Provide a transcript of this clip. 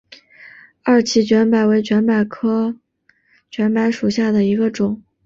二歧卷柏为卷柏科卷柏属下的一个种。